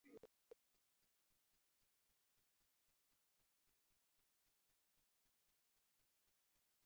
Ĝi estas ankaŭ sur la blazono de la Universitato de Karibio.